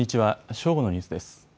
正午のニュースです。